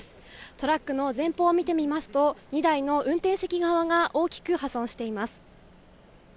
トラックの前方を見てみますと、２台の運転席側が大きく破損しています。